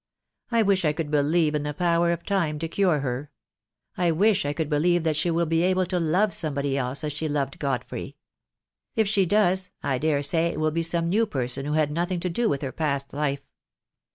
I wish I could believe in the power of Time to cure her. I wish I could believe that she will be able to love somebody else as she loved Godfrey. If she does, I daresay it will be some new person who has had nothing to do with her past life.